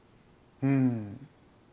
うん。